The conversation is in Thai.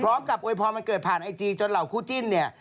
พร้อมกับโอยพรมันเกิดผ่านไอจีจนเหล่าคู่จิ้นเนี่ย